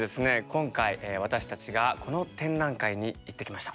今回私たちがこの展覧会に行ってきました。